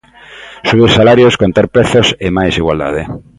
Subir salarios, conter prezos e máis igualdade.